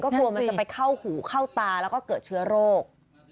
กลัวมันจะไปเข้าหูเข้าตาแล้วก็เกิดเชื้อโรค